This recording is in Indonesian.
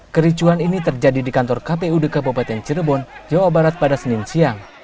kericuhan ini terjadi di kantor kpud kabupaten cirebon jawa barat pada senin siang